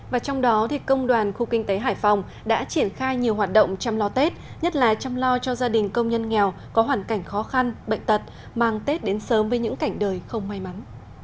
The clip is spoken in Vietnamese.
và trong đó công đoàn khu kinh tế hải phòng đã triển khai nhiều hoạt động chăm lo tết nhất là chăm lo cho gia đình công nhân nghèo có hoàn cảnh khó khăn bệnh tật mang tết đến sớm với những cảnh đời không may mắn